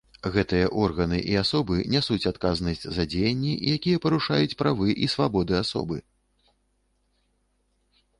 Гэтыя органы і асобы нясуць адказнасць за дзеянні, якія парушаюць правы і свабоды асобы.